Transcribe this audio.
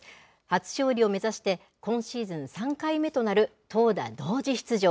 初勝利を目指して、今シーズン３回目となる投打同時出場。